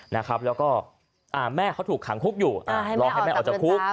แล้วก็แม่เขาถูกขังคุกอยู่รอให้แม่ออกจากคุก